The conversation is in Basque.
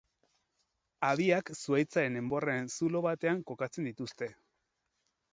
Habiak zuhaitzaren enborraren zulo batean kokatzen dituzte.